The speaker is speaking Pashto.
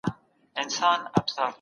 ځوان سړی د بکا زوی و.